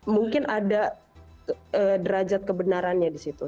mungkin ada derajat kebenarannya di situ